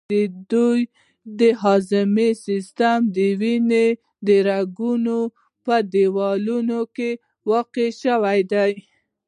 دوی د هضمي سیستم، د وینې د رګونو په دیوالونو کې واقع شوي دي.